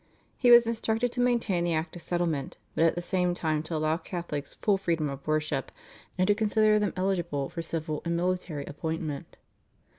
He was instructed to maintain the Act of Settlement, but at the same time to allow Catholics full freedom of worship, and to consider them eligible for civil and military appointment.